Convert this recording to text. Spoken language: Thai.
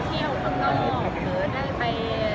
มีโครงการทุกทีใช่ไหม